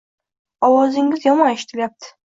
Ovozingiz yomon eshitilayapti.